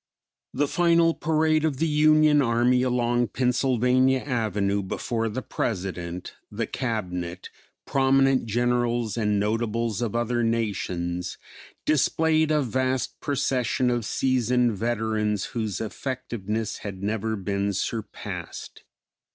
The final parade of the Union army along Pennsylvania avenue before the President, the Cabinet, prominent Generals and notables of other nations, displayed a vast procession of seasoned veterans whose effectiveness had never been surpassed.